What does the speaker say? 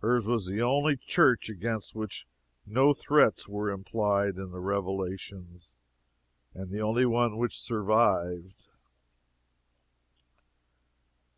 Hers was the only church against which no threats were implied in the Revelations, and the only one which survived.